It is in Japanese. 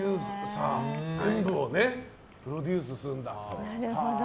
全部をプロデュースするんだ。